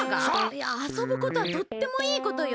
いやあそぶことはとってもいいことよ。